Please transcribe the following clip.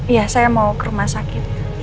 iya saya mau ke rumah sakit